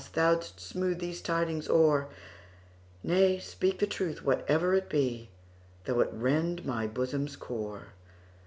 Thou 'dst smooth these tidings o'er,—Nay, speak the truth, whatever it be, Though it rend my bosom's core.